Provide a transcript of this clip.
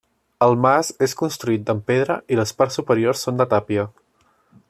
El mas és construït amb pedra i les parts superiors són de tàpia.